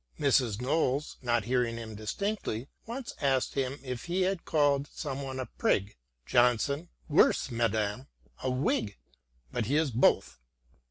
Mrs. Knowles, not hearing him distinctly, once asked him if he had called some one a prig. Johnson :" Worse, madam ; a Whig ! But he is both."